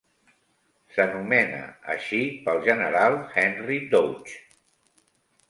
S'anomena així pel general Henry Dodge.